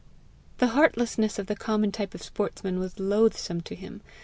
The heartlessness of the common type of sportsman was loathsome to him.